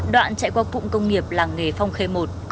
đoạn chạy qua cụm công nghiệp làng nghề phong khê i